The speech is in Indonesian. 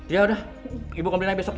yaudah ibu komplain aja besok ya